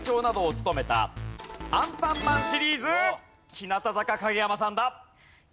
日向坂影山さんだ。